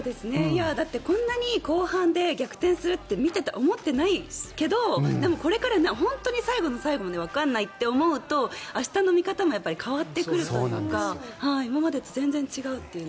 こんなに後半で逆転するって見てて、思ってないけどこれから本当に最後の最後までわからないって思うと明日の見方も変わってくるというか今までと全然違うというのが。